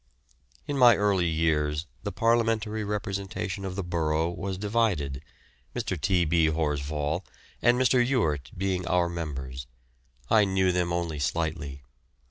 In my early years the parliamentary representation of the borough was divided, Mr. T. B. Horsfall and Mr. Ewart being our members. I knew them only slightly.